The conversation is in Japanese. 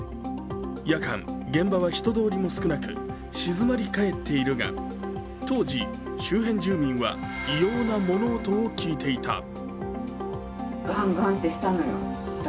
夜間現場は人通りも少なく静まりかえっているが、当時、周辺住民は異様な物音を聞いていた。